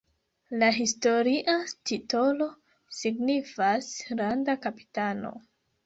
La historia titolo signifas "landa kapitano".